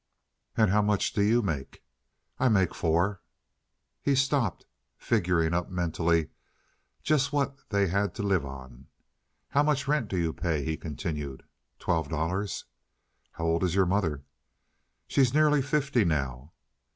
"And how much do you make?" "I make four." He stopped, figuring up mentally just what they had to live on. "How much rent do you pay?" he continued. "Twelve dollars." "How old is your mother?" "She's nearly fifty now."